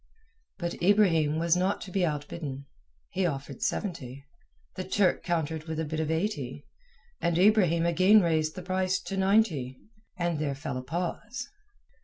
But Ibrahim was not to be outbidden. He offered seventy, the Turk countered with a bid of eighty, and Ibrahim again raised the price to ninety, and there fell a pause.